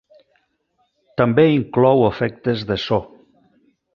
També inclou efectes de so.